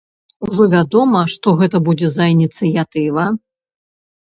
Ужо вядома, што гэта будзе за ініцыятыва?